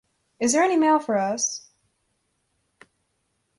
Is there any mail for us?